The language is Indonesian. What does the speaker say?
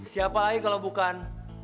siapa lagi kalau bukan